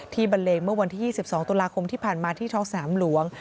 บันเลงเมื่อวันที่๒๒ตุลาคมที่ผ่านมาที่ท้องสนามหลวง